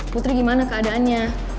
putri gimana keadaannya